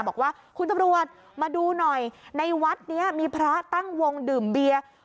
บอกว่าคุณตำรวจมาดูหน่อยในวัดนี้มีพระตั้งวงดื่มเบียร์